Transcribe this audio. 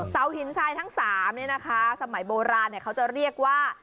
เสาหินทรายทั้ง๓เนี่ยนะคะสมัยโบราณเขาจะเรียกว่า